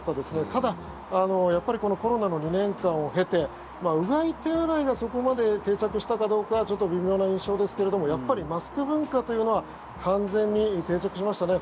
ただ、やっぱりこのコロナの２年間を経てうがい、手洗いがそこまで定着したかどうかはちょっと微妙な印象ですけどやっぱりマスク文化というのは完全に定着しましたね。